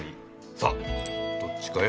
さあどっちか選べ。